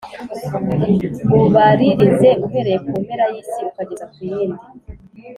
ubaririze uhereye ku mpera y’isi ukageza ku yindi: